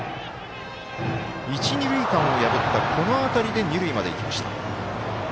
一、二塁間を破ったこの当たりで二塁までいきました。